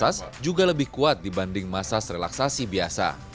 dan juga lebih kuat dibanding massage relaksasi biasa